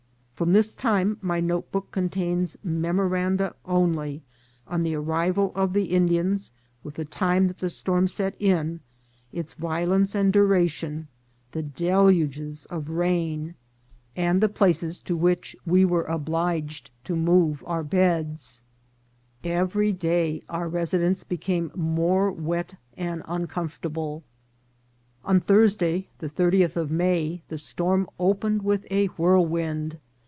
From this time my notebook contains memoranda only of the arrival of the Indians, with the time that the storm set in, its violence and duration, the deluges of rain, and the places to which we were obliged to move 336 INCIDENTS OP TRAVEL. our beds. Every day our residence became more wet and uncomfortable. On Thursday, the thirtieth of May, the storm opened with a whirlwind.